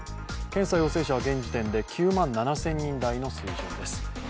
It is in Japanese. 検査陽性者は現時点で９万７０００人台の水準です。